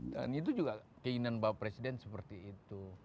dan itu juga keinginan bapak presiden seperti itu